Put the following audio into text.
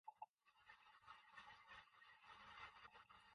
Called a plug when referring to a steel drum closure.